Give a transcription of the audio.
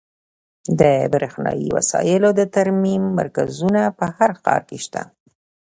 د برښنایي وسایلو د ترمیم مرکزونه په هر ښار کې شته.